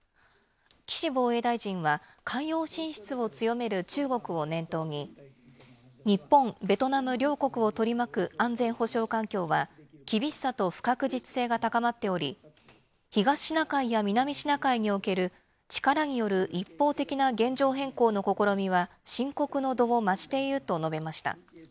岸防衛大臣は、海洋進出を強める中国を念頭に、日本、ベトナム両国を取り巻く安全保障環境は、厳しさと不確実性が高まっており、東シナ海や南シナ海における力による一方的な現状変更の試みは、深刻の度を増していると述べました。